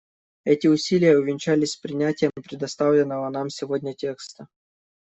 Эти усилия увенчались принятием представленного нам сегодня текста.